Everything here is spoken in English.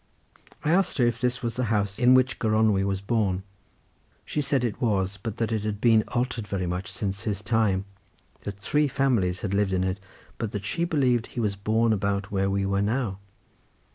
I asked her if this was the house in which Gronwy was born. She said it was, but that it had been altered very much since his time—that three families had lived in it, but that she believed he was born about where we were now.